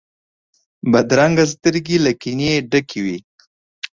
بدرنګه سترګې له کینې ډکې وي